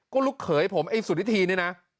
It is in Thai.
ต้องเผยผมไอ้สุริธีเนี่ยนะ